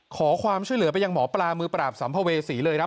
ขอความช่วยเหลือไปยังหมอปลามือปราบสัมภเวษีเลยครับ